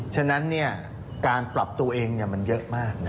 ฉะนั้นการปรับตัวเองมันเยอะมาก